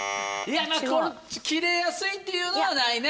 まぁキレやすいっていうのはないね。